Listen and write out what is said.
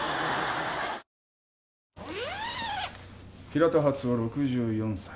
平田初雄６４歳。